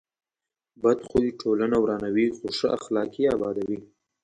بد خوی ټولنه ورانوي، خو ښه اخلاق یې ابادوي.